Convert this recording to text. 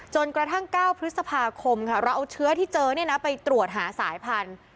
จนกระทั่ง๙พฤษภาคมค่ะเราเอาเชื้อที่เจอไปตรวจหาสายพันธุ์